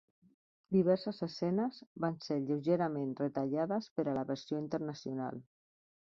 Diverses escenes van ser lleugerament retallades per a la versió internacional.